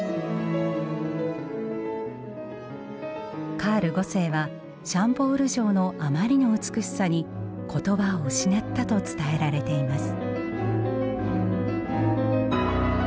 カール五世はシャンボール城のあまりの美しさに言葉を失ったと伝えられています。